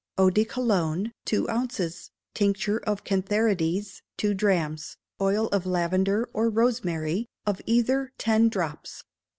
Eau de Cologne, two ounces; tincture of cantharides, two drachms; oil of lavender or rosemary, of either ten drops.